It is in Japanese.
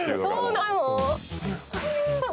そうなの？